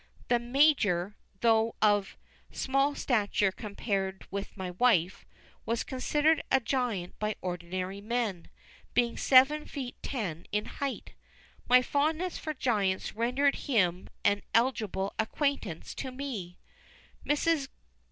The Major, though of small stature compared with my wife, was considered a giant by ordinary men, being seven feet ten in height. My fondness for giants rendered him an eligible acquaintance to me. Mrs.